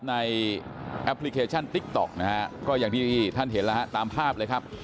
แอปพลิเคชันติ๊กต๊อกนะฮะก็อย่างที่ท่านเห็นแล้วฮะตามภาพเลยครับ